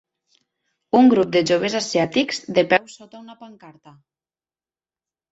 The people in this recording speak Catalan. Un grup de joves asiàtics de peu sota una pancarta.